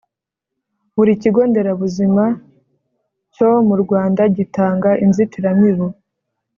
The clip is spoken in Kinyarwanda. Buri Kigo nderabuzima cyo mu Rwanda gitanga inzitiramibu.